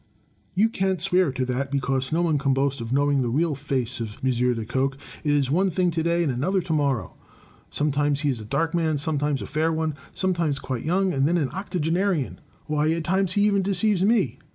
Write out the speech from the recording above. "You can't swear to that, because no one can boast of knowing the real face of M. Lecoq. It is one thing today, and another tomorrow; sometimes he is a dark man, sometimes a fair one, sometimes quite young, and then an octogenarian. Why, at times he even deceives me.